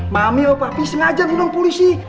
mami pak papi sengaja bilang polisi